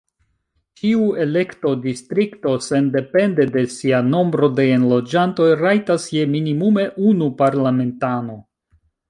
Ĉiu elektodistrikto, sendepende de sia nombro de enloĝantoj, rajtas je minimume unu parlamentano.